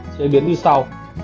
chế biến đi sau